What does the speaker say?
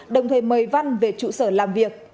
đồng thời mời văn về trụ sở làm việc